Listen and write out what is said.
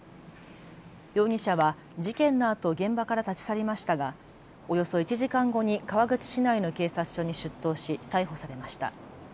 容疑者は事件のあと現場から立ち去りましたがおよそ１時間後に川口市内の警察署に出頭し逮捕されました。